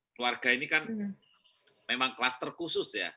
keluarga ini kan memang kluster khusus